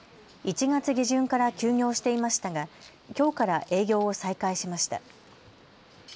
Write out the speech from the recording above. １月下旬から休業していましたがきょうから営業を再開しました。